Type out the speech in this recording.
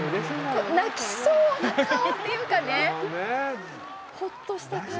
泣きそうな顔というかねほっとした顔。